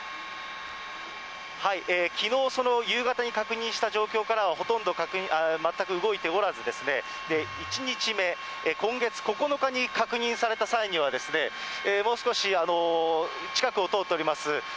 きのう夕方に確認した状況からは、ほとんど、全く動いておらず、１日目、今月９日に確認された際には、もう少し近くを通っております